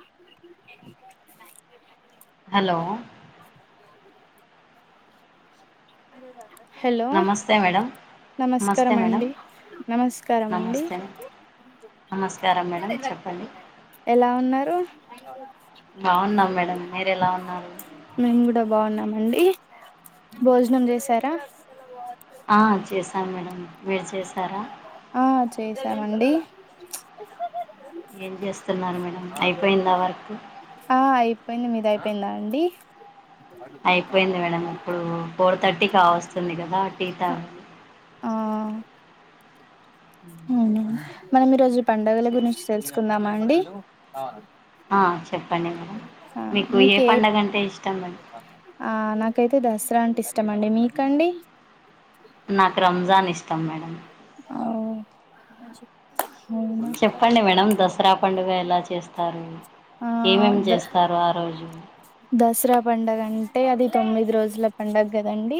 ఆ హలో ఆయన ఎవరు సార్ నమస్తే మేడమ్ నమస్కారం అండి నమస్కారం అండి నమస్తే నమస్కారం మేడం చెప్పండి ఎలా ఉన్నార్ రు బాగున్నాం మేడం మీరు ఎలా ఉన్నారు మేం కూడా బాగున్నామండి భోజనం చేసారా ఆ చేసాను మేడం మీరు చేశారా ఆ చేసామండి ఏం చేస్తున్నారు మేడం అయిపోయింది ఆ వర్క్ ఆ అయిపోయింది మీది అయిపోయిందా అండి అయిపోయింది మేడం ఇప్పుడు ఫోర్ థర్టీ కావస్తుంది కదా టీ తాగాలి ఆ అవునా మనం ఈ రోజు పండుగల గురించి తెలుసుకుందామా అండి ఆ చెప్పండి మేడం ఆ మీకు ఏ మీకే పండుగ అంటే ఇష్టం కైతే దసరా అంటే ఇష్టమండి మీకండి నాకు రంజాన్ ఇష్టం మేడం అవు చెప్పండి మేడం దసరా పం పండుగ ఎలా చేస్తారు ఆ ఏమేమి ద చేస్తారు ఆ రోజు దసరా పండుగ అంటే అది తొమ్మిది రోజుల పండుగ కదండి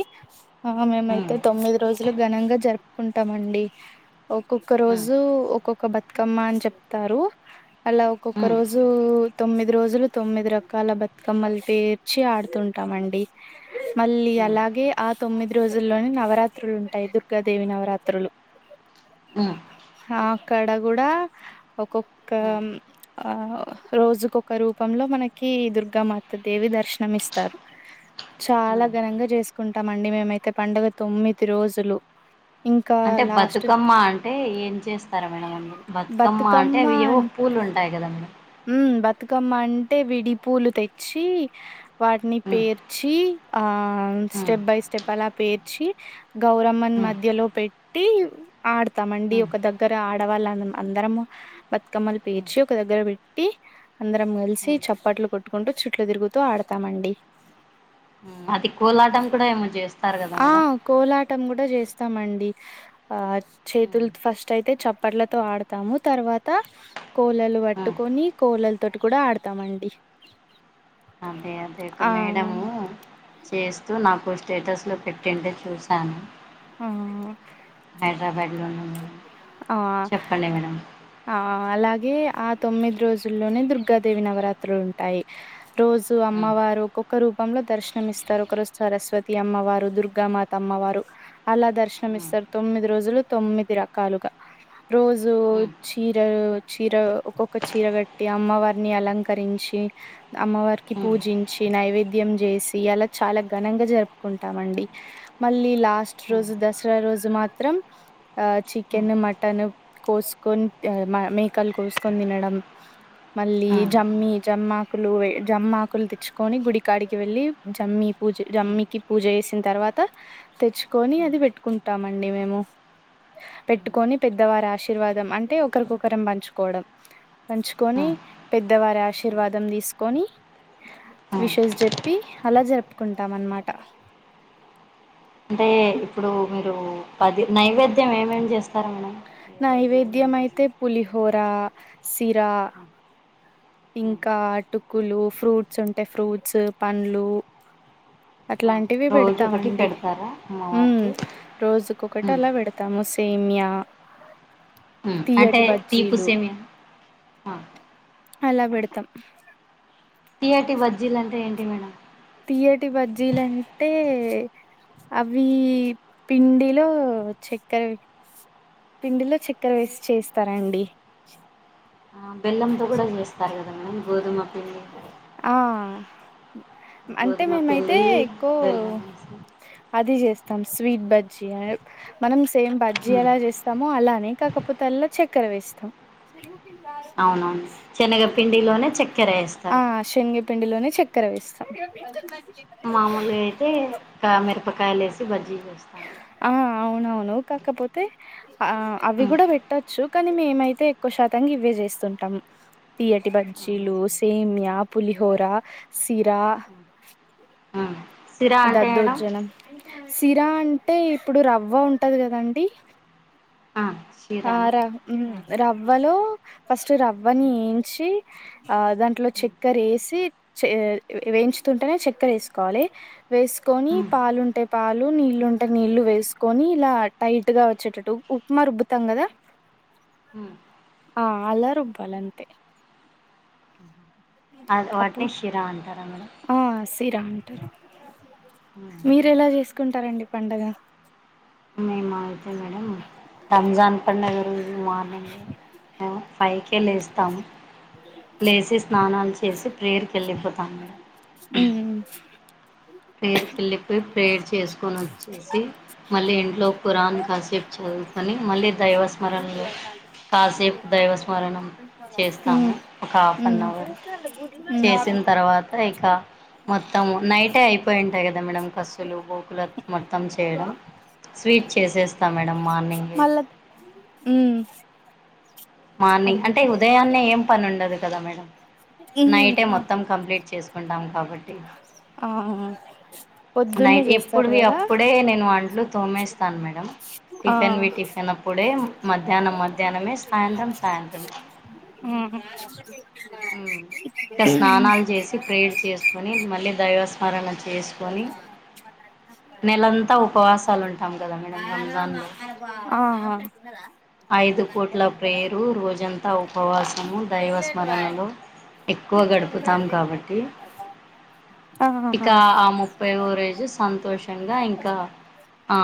ఆ ఉమ్ మేమైతే తొమ్మిది రోజులు ఘనంగా జరుపుకుంటామండి ఒక్కొక్క హ్మ్. రోజు ఒక్కొక్క బతుకమ్మ అని చెప్తారు అలా ఒక్కొక్క హ్మ్. రోజు తొమ్మిది రోజులు తొమ్మిది రకాల బ కమ్మలు పేర్చి ఆడుతుంటామండి మళ్ళీ హ్మ్. అలాగే ఆ తొమ్మిది రోజుల్లోనే నవరాత్రులు ఉంటాయి దుర్గాదేవి నవరాత్రులు హ్మ్. హా అక్కడ కూడా ఒక్కొక్క హ్మ్. ఆ రోజుకోక రూపంలో మనకి దుర్గ కా మత్త దేవి దర్శనం ఇస్తారు చాలా హ్మ్. ఘనంగా చేసుకుంటామండి మేమైతే పండుగ తొమ్మిది రోజులు ఇంకా అంటే లాస్ట్ బతుకమ్మ అంటే ఏం చేస్తారా మేడం బతుకమ్మ అంటే అవి ఏవో పూలు ఉంటాయి యి కదా మ [unintelligible] ఉం బతుకమ్మ అంటే విడిపూలు తెచ్చి వాటిని హ్మ్. పేర్చి ఆ హ్మ్. స్టెప్ బై స్టెప్ అలా పేర్చి గౌరమ్మని హ్మ్. మధ్యలో పెట్టి ఆడతామండి హ్మ్. ఒక దగ్గర ఆడవాళ్ళ అందరము బతుకమ్మలు హ్మ్. పేర్చి ఒక దగ్గర పెట్టీ పెట్టి అందరం కలిసి హ్మ్. చప్పట్లు కొట్టుకుంటూ చుట్లు తిరుగుతూ ఆడతామండి అది కోలాటం కూడా ఏమో చేస్తారు కదా మేడం కోలాటం కూడా చేస్తామండి ఆ హ్మ్. చేతులు ఫస్ట్ అయితే చప్పట్లతో ఆడతాము తర్వాత తర్వాత కోళలు హ్మ్. పట్టుకొని కోలల తోటి కూడా ఆడతామండి అదక ఆ! మేడము చేస్తూ నాకు స్టేటస్లు పెట్టింటే చూశాను ఆ హైదరాబాద్లో ఉ ఆ చెప్పండి మేడం ఆ అలాగే ఆ తొమ్మిది రోజుల్లోనే దుర్గాదేవి నవరాత్రులు ఉంటాయి రోజు హ్మ్. అమ్మవారు ఒక్కొక్క రూ పంలో దర్శనం ఇస్తారు ఒక రోజు సరస్వతి అమ్మవారు దుర్గా మాత అమ్మవారు అలా హ్మ్. దర్శనంమిస్తారు తొమ్మిది రోజులు తొమ్మిది రకాలుగా రోజు హ్మ్. చీరలు చీర ఒక్కొక్క చీర కట్టి అమ్మవారిని అలంకరించి హ్మ్. అమ్మవారి హ్మ్. పూజించి నైవేద్యం చేసి అలా చాలా ఘనంగా జరుపుకుంటా మండి మళ్ళీ లాస్ట్ హ్మ్. రోజు దసరా రోజు మాత్రం ఆ హ్మ్. చికెన్ మటన్ కోసుకొని మా మేకలు కోసుకొని తినడం మళ్ళీ హ్మ్. జమ్మి జమ్మాకులు జమ్మాకులు తెచ్చుకొని గుడికాడికి వెళ్లి జమ్మి పూజ హ్మ్. జమ్మికి పూజ చేసిన తర్వాత తెచ్చుకొని హ్మ్. అది పెట్టుకుంటామండి. మేము పెట్టుకొని పెద్దవారి ఆశీర్వాదం అంటే ఒకరికొకరం పంచుకోవడం ఆ పంచుకొని పెద్దవారి ఆశీర్వాదం తీసుకొని ఆ విషేస్ చెప్పి అలా జరుపుకుంటాం అన్నమాట అంటే ఇప్పుడు మీరు పది నైవేద్యం ఏమేమి చేస్తారా మేడం రోజు ఏమేమి ఏమైతే చేస్తారు పులిహోర సిరా ఆ ఇంకా ఆ, అటుకులు ఫ్రూట్స్ ఉంటే ఫ్రూట్స్ పండ్లు అట్లా ఆ. టివి రోజు ఒకటి పెడతామండి పెడతారా మ్మ్ అమ్మవారికి రోజుకు ఒకటి ఉమ్ అలా పెడతాము సే మ్యా మ్ అంటే తీపు సేమ్యా అ అలా బెడతాం. తియ్యటి బజ్జీలంటే ఏంటి మేడం తీయ్యటి బజ్జీలంటే అవి పిండిలో చెక్కర పిండిలో చెక్కర వేసి చేస్తారాండి. ఆ బెల్లంతో కూడా చేస్తారు కదా మేమ్ గోధుమ పి ఆ అంటే గోధుమ మేమైతే పిండి ఎక్కువ బెల్లం వేసి అది చేస్తాం స్వీట్ బజ్ చీయ మనం సేమ్ బజ్జి ఉమ్ ఎలా చేస్తామో అలానే కాకపోతే అల్ల చ క్కర వేస్తాం. అవునవును చనగ పిండిలోనే చక్కెర ఎస్ ఆ సిన్ని పిండిలోనే చెక్కెర వేస్తాం. మామూలుగా అయితే క మిరపకాయలు ఎసి బజ్జీ చేస్తాం ఆ అవునవును కాకపోతే ఆ అవి ఉమ్ కూడా పెట్టొచ్చు. కాని మేమైతే ఎక్కువ శాతంగా గివే చేస్తుంటాం తీయ్యటి బజ్జీలు అవునులేండి సేమ్యా పులిహోరా సిరా ఆ ఆ, సిరా అంటే మేడం దద్దోజనం సిరా అంటే ఇప్పుడు రవ్వ ఉంటది కదండి ఆ ఆ షీరానా ర మ్ ఆ రవ్వలో ఫస్ట్ రవ్వని ఎయించి ఆ దాంట్లో ఉమ్ చక్కెర వేసి ఎయించుతుంటేనే చెక్కెర వేసుకోవాలి. వేస్కొని ఉమ్ పాలుంటే పాలు నీళ్ళలుంటే నీళ్లు వేసుకొని ఇలా టైట్గా వచ్చేటట్టు ఉప్పు ఉప్మా రుబ్బుతాం కదా ఉమ్ ఆ అలా రుబ్బాలంతే అ వాటినే శిరా అంటారా మేడం తీరా అంటారు ఉమ్. మీరు ఎలా చేసుకుంటారండి పండగ మేము అయితే మేడం రంజాన్ పండుగ రోజు మార్నింగ్ మేము ఫైవ్కేే లేస్తాము లేచి స్నానాలు చేసి ప్రేయర్కి ఎళ్ళిపోతా అవును మేడం ఉమ్ పెర్కి వెళ్ళిపోయి ప్రేయర్ చేసుకొని వచ్చేసి మళ్ళీ ఇంట్లో కురాన్ కాసేప్ చదువుకొని మళ్ళీ దైవస్మరణలో కాసేపు దైవస్మరణం చేస్తాము ఉమ్ ఒక హాఫ్ అన్ ఉమ్ అవర్ చేసిన్ తర్వాత ఇక మొత్తం నైటే అయిపోయింటాయి కదా మేడం కస్సులు గోకుల మొత్తం చేయడం స్వీట్ చేసేస్తా మేడం మార్నింగే మళ్ళా ఉమ్ మార్నింగ్ అంటే అద్దుతా ఉదయాన్నే ఏం పని ఉండదు కదా మేడం నైటే ఉమ్ మొత్తం కంప్లీట్ చేసుకో ఆ పొద్దున్నే చేస్తారు కదా ట్లు తోమ్మేస్తాను మేడం ఆ టిఫిన్ పెట్టేసినప్పుడే మధ్యాహ్నం మధ్యాహ్నమే సాయంత్రం సాయంత్రమే ఉ ఇంకా స్నానాలు చేసి ప్రేర్ చేస్కొని మళ్ళీ దైవస్మరణ చే చేస్కోని నెలంతా ఉపవాసాలు ఉంటాం కదా మేడం ఆహా రంజాన్ లో ఆహా ఐదు పూట్ల ప్రేరు రోజంతా ఉపవాసము దైవస్మరణలో ఎక్కువ గడుపుతాం కాబట్టి ఇకా బవరేజ్ సంతోషంగా ఇంకా ఆ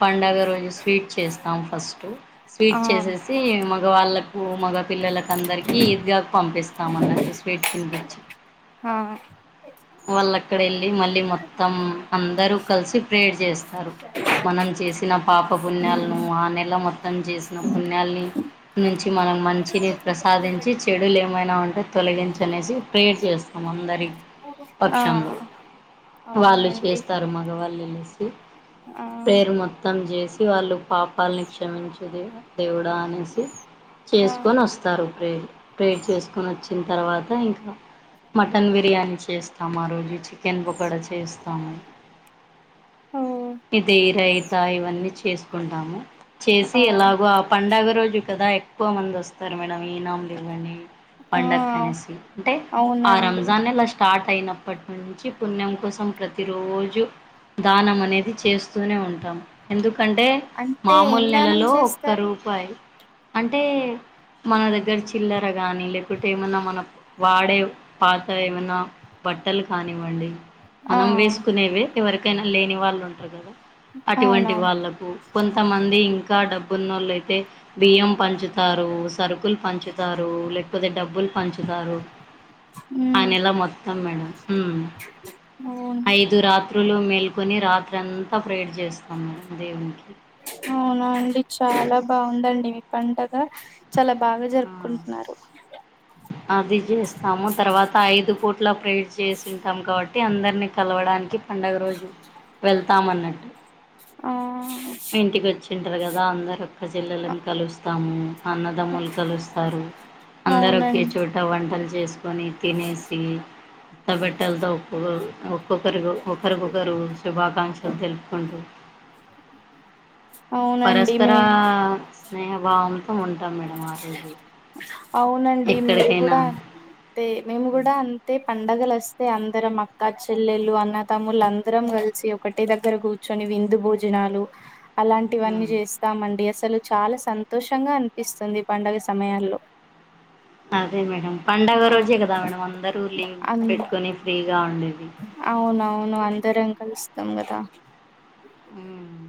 పండగ రోజు స్వీట్ చేస్తాం ఫస్టు స్వీట్ ఆ చేసేసి మగవా వాళ్ళకు మగ పిల్లలకు అందరికీ ఈద్గా పంపిస్తాము అన్నట్టు స్వీట్ తినిపిచ్చి ఆ వాళ్ళు అక్కడి మళ్ళీ మొత్తం అందరు కలిసి ప్రేర్ చేస్తారు. మనం చేసిన పాప పుణ్యాలను ఆ నెల మొత్తం చేసిన పుణ్యాల్ని నుంచి మనం మంచిని ప్రసాదించి చెడులు ఏమైనా ఉంటే తొలగి ంచనేసి ప్రేర్ చేస్తాం అందరికి ఆ పక్షంలో అవునా వాళ్ళే అండి చేస్తారు మగవాళ్ళె లేస్ ఆ పేరు మొత్తం చేసి ఇగ వాళ్ళు పాపాలని క్షమించు దేవ్ దేవుడా అనేసి ఆ చేసుకొని వస్తారు ప్రేర్ ప్రేర్ చేసుకొని వచ్చిన తర్వాత ఇంకా మటన్ బిర్యానీ చేస్తాం ఆ రోజు చికెన్ గూడా చే చేస్తాము ఓ ఇది రైత త ఇవన్నీ చేసుకుంటాము చేసి ఆ ఎలాగో ఆ పండగ గ రోజు కదా ఎక్కువ మంది వస్తారు మేడం ఈన్నామ్ లు ఇవ్వండి ఆ పండగ క్కనేసి అంటే ఆ అవునండి రంజాన్ లష్ స్టార్ట్ అయినప్పటి నుంచి పుణ్యం కోసం ప్రతిరోజు దానం అనేది చేస్తూనే ఉంటాం ఎందుక్ అంటే అంటే ఏం మామూలు దానం నెలలో ఒక్క చేస్తారు రూపాయి అంటే మన దగ్గర చిల్లర గాని లేకుంటే ఏమన్నా మన వాడే పాత ఏమన్నా బట్టలు కానివ్వండి ఆ మనం వేసుకునేవే ఎవరికైనా లేని వాళ్ళు ఉంటరు కదా అటువంటి అవునవును వాళ్ళకు కొంతమంది ఇంక ంకా డబ్బు ఉన్నోళ్ళు అయితే బియ్యం పంచుతారు సరుకులు పంచుతారు లేకపోతే డబ్బుల్ పంచుతారు ఆ ఉమ్ నెల మొత్తం మేడం మ్మ్ అవును ఐదు రా త్రులు మేల్కొని రాత్రంతా ప్రేర్ చేస్తామ్ దేవునికి అవునా అండి చాలా బాగుందండి మీ పండగ్ గ చాలా బాగా ఆ జరుపుకుంటున్నారు అది చేస్తాము తర్వాత ఐదు పూట్ ట్ల ప్రేర్ చేసి ఉంటాం కాబట్టి అందరినీ కలవడానికి పండుగ రోజు వెళ్ స్తామన్నట్టు ఆ ఇంటికొచ్చింటరు కదా అందరు అక్కజెల్లల్లను కలుస్తాము అన్నదమ్ములు కలుస్తారు అందరు అవునండి ఒకేచోట వంటలు చేస్ కొని తినేసి త్త బట్టలతో ఒక్కొక్కర్ ఒక్కొక్కరికి ఒకరికొకరు శుభాకాంక్షలు తెలుపుకుంటు అవునండి పరస్పర మీ స్నేహభావంతో ఉంటాం మేడం ఆ రోజు అవునండి మీరు ఎక్కడికైనా కూడా అంతే మేము కూడా అంతే పండగలు వస్తే అందరం అక్క చెల్లెళలు అన్న తమ్ములు అందరం కలిసి ఒకటే దగ్గర కూర్చొని విందు భోజనాలు అలాంటివన్నీ ఉమ్, చేస్తామండి అసలు చాలా సంతోషంగా అనిపిస్తుంది పండుగ సమయాల్లో అదే మేడం పండుగ ఆ రోజే కదా మేడం అందరు లీవ్ అన్ పెట్టుకొని ఫ్రీగా ఉండేది అవునవును అందరం కలుస్తాం కదా హ్మ్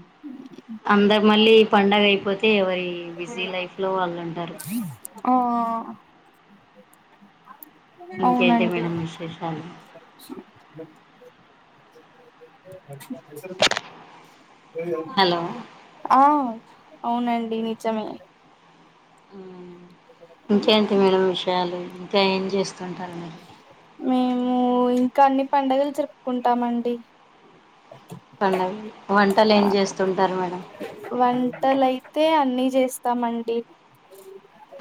అందరు మళ్ళీ పండగ అయిపోతు ఎవరి బిజీ లైఫ్లో వాళ్ళు ఉంటారు ఆ ఇంకేంటి అవునండి మేడం విశేషాలు హలో ఆ అవునండి నిజమే హ్మ్ ఇంకేంటి మేడం విషయాలు ఇంకా ఏం చేస్తుంటారు మీరు మేము ఇంకా అన్ని పండుగలు జరుపుకుంటామండి పండగ వంటలు ఏం చేస్తుంటారు మేడం వంటలుయితే అన్ని చే స్తామండి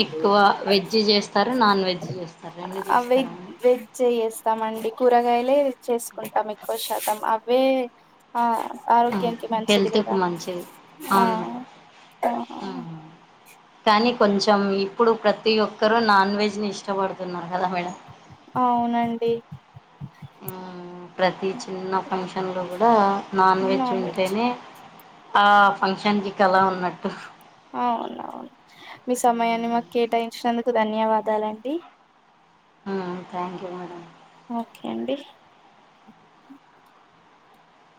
ఎక్కువ వెజ్ చేస్తారా నాన్ వెజ్ చేస్తారా రెండు చేస్తారా వెజ్ అండి వెజ్ చేస్తామండి కూరగాయలే చేసుకుంటాం ఎక్కువ శాతం అవే ఆ మేడం ఆరోగ్యానికి మంచిది కదా హెల్త్కు మంచిది ఆ అవును మేడం ఆ కానీ కొంచెం ఇప్పుడు ప్రతి ఒక్కరు నాన్ వెజ్ ని ఇష్టపడుతున్నారు కదా మేడం అవునండి ఆ ప్రతి చిన్న ఫంక్షన్లో కూడా నాన్ వెజ్ ఉంటేనే ఆ ఫంక్షన్ కి కళ ఉన్నట్టు అవునవును మీ సమయాన్ని మాకు కేటాయించినందుకు ధన్యవాదాలండి ఆ థ్యాంక్ యూ మేడం ఓకే అండి